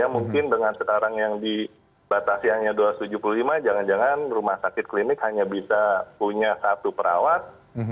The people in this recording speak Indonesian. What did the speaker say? mungkin dengan sekarang yang dibatasi hanya dua ratus tujuh puluh lima jangan jangan rumah sakit klinik hanya bisa punya satu perawat